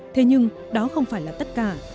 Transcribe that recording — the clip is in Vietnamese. thế nhưng đó không phải là tất cả